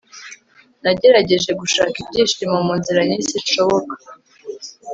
nagerageje gushaka ibyishimo munzira nyinshi zishoboka